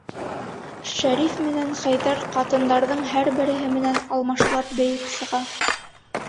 Шәриф менән Хәйҙәр ҡатындарҙың һәр береһе менән алмашлап бейеп сыға.